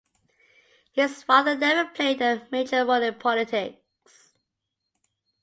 His father never played a major role in politics.